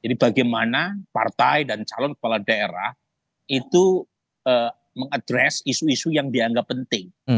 jadi bagaimana partai dan calon kepala daerah itu mengadres isu isu yang dianggap penting